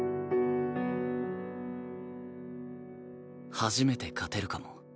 初めて勝てるかも。